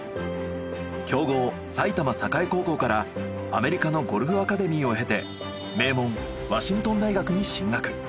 強豪埼玉栄高校からアメリカのゴルフアカデミーをへて名門ワシントン大学に進学。